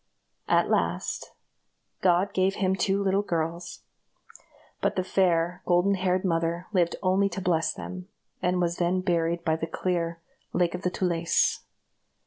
At last, God gave him two little girls; but the fair, golden haired mother lived only to bless them, and was then buried by the clear "Lake of the Tulés."